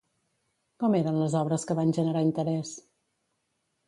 Com eren les obres que van generar interès?